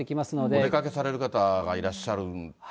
お出かけされる方がいらっしゃる。